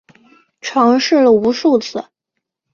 尝试了无数次